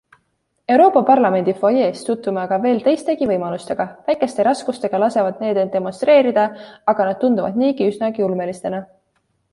Euroopa parlamendi fuajees tutvume aga veel teistegi võimalustega, väikeste raskustega lasevad need end demonstreerida, aga nad tunduvad niigi üsnagi ulmelistena.